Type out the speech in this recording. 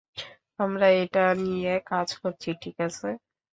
আমরা এটা নিয়ে কাজ করছি, ঠিক আছে?